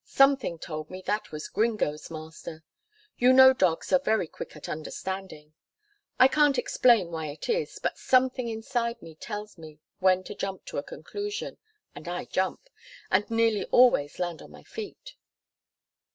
Something told me that was Gringo's master. You know dogs are very quick at understanding. I can't explain why it is, but something inside me tells me when to jump to a conclusion, and I jump, and nearly always land on my feet.